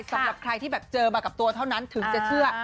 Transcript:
สำหรับใครที่แบบเจอมากับตัวเท่านั้นถึงจะเชื่อ